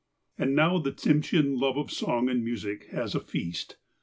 And now the Tsimsheau love of song and music has a feast.